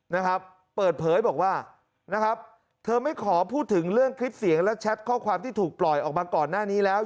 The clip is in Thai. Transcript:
นะครับเปิดเผยบอกว่านะครับเธอไม่ขอพูดถึงเรื่องคลิปเสียงและแชทข้อความที่ถูกปล่อยออกมาก่อนหน้านี้แล้ว